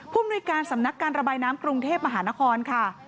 มนุยการสำนักการระบายน้ำกรุงเทพมหานครค่ะ